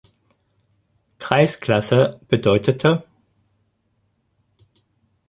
Kreisklasse bedeutete.